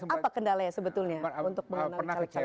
apa kendalanya sebetulnya untuk mengenal caleg caleg ini